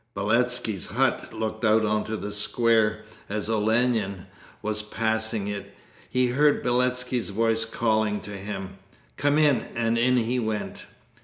Beletski's hut looked out onto the square. As Olenin was passing it he heard Beletski's voice calling to him, 'Come in,' and in he went.